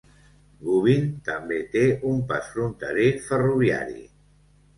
Gubin també té un pas fronterer ferroviari.